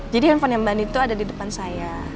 jadi handphone mbak andi tuh ada di depan saya